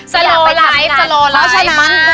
สโลไลฟ์สโลไลฟ์